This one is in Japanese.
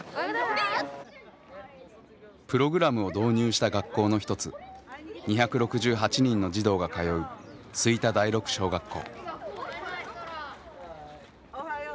プログラムを導入した学校の一つ２６８人の児童が通う吹田第六小学校。